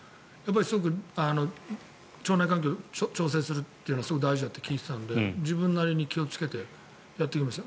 すごく腸内環境を調整するのが大事だと聞いてたので自分なりに気をつけてやってきました。